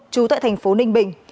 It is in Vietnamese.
chú tại thành phố ninh bình